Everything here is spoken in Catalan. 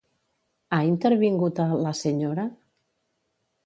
Ha intervingut a La Señora?